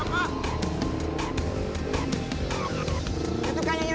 putan pisahin ya